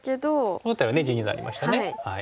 この辺りはね地になりましたね。